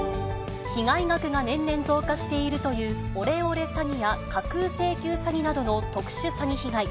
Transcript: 被害額が年々増加しているという、オレオレ詐欺や架空請求詐欺などの特殊詐欺被害。